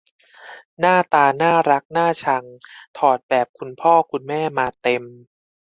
หน้าตาน่ารักน่าชังถอดแบบคุณพ่อคุณแม่มาเต็ม